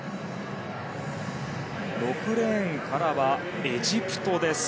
６レーンからはエジプトです。